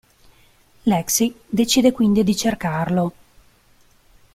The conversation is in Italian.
Lexi decide quindi di cercarlo.